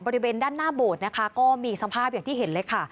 บริเวณด้านหน้าโบสถ์นะคะก็มีสภาพอย่างที่เห็นเลยค่ะ